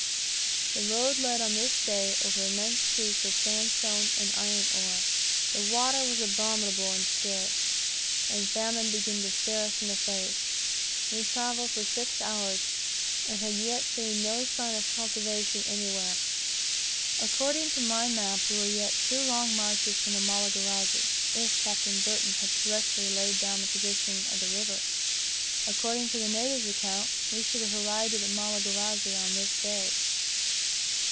The road led on this day over immense sheets of sandstone and iron ore. The water was abominable, and scarce, and famine began to stare us in the face. We travelled for six hours, and had yet seen no sign of cultivation anywhere. According to my map we were yet two long marches from the Malagarazi if Captain Burton had correctly laid down the position of the river; according to the natives' account, we should have arrived at the Malagarazi on this day.